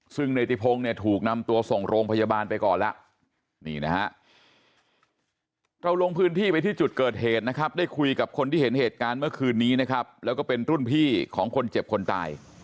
ซึ่งเนติพงศ์เนี่ยถูกนำตัวส่งโรงพยาบาลไปก่อนแล้วนี่นะฮะเราลงพื้นที่ไปที่จุดเกิดเหตุนะครับได้คุยกับคนที่เห็นเหตุการณ์เมื่อคืนนี้นะครับแล้วก็เป็นรุ่นพี่ของคนเจ็บคนตาย